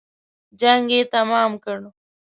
جنګ یې تمام کړ.